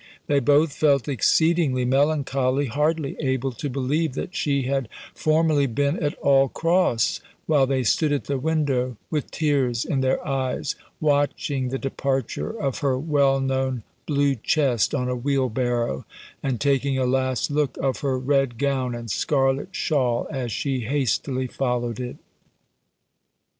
They both felt exceedingly melancholy, hardly able to believe that she had formerly been at all cross, while they stood at the window with tears in their eyes, watching the departure of her well known blue chest, on a wheel barrow, and taking a last look of her red gown and scarlet shawl as she hastily followed it.